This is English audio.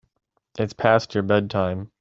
It's past your bedtime.